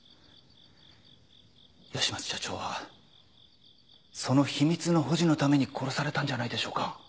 吉松社長はその秘密の保持のために殺されたんじゃないでしょうか？